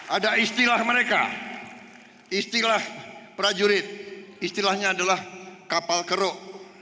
ada istilah mereka istilah prajurit istilahnya adalah kapal keruk